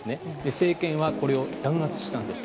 政権は、これを弾圧したんです。